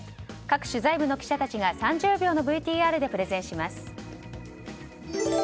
各取材部の記者たちが３０秒のＶＴＲでプレゼンします。